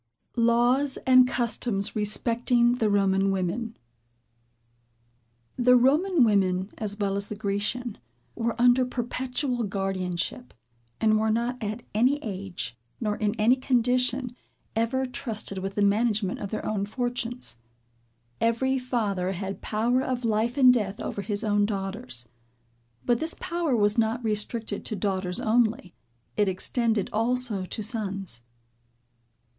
LAWS AND CUSTOMS RESPECTING THE ROMAN WOMEN. The Roman women, as well as the Grecian, were under perpetual guardianship; and were not at any age, nor in any condition, ever trusted with the management of their own fortunes. Every father had power of life and death over his own daughters: but this power was not restricted to daughters only; it extended also to sons.